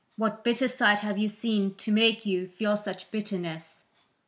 What bitter sight have you seen to make you feel such bitterness?"